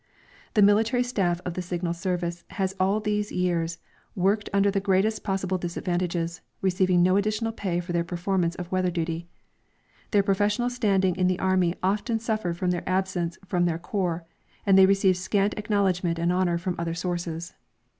The military staff of the Signal service has all these years worked under the greatest possible disadvantages, receiving no additional pay for the performance of weather duty. Their jDro fessional standing in the army often suffered from their absence from their corps, and they received scant acknowledgment and honor from other sources.